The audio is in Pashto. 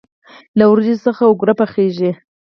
له وریجو څخه اوگره پخیږي.